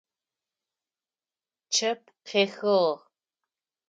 Чъэп къехыгъ.